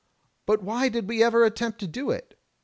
But why did we ever attempt to do it?